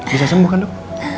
bisa sembuh kan dok